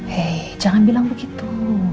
hei jangan bilang begitu